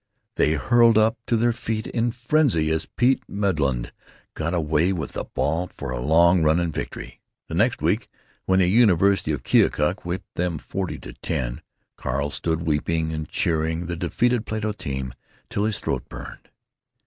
They hurled up to their feet in frenzy as Pete Madlund got away with the ball for a long run and victory.... The next week, when the University of Keokuk whipped them, 40 to 10, Carl stood weeping and cheering the defeated Plato team till his throat burned.